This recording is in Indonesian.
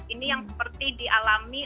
ini yang seperti dialami